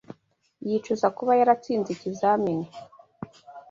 Yicuza kuba yaratsinze ikizamini.